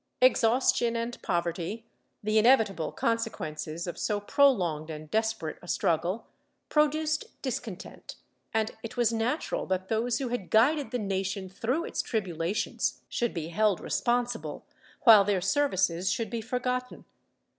^ Exhaustion and poverty, the inevitable consequences of so pro longed and desperate a struggle, produced discontent, and it was natural that those who had guided the nation through its tribu lations should be held responsible, while their services should be forgotten.